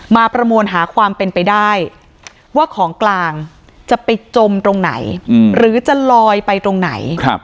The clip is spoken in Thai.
ประมวลหาความเป็นไปได้ว่าของกลางจะไปจมตรงไหนหรือจะลอยไปตรงไหน